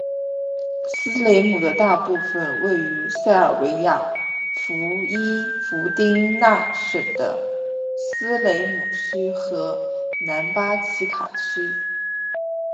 斯雷姆的大部分位于塞尔维亚伏伊伏丁那省的斯雷姆区和南巴奇卡区。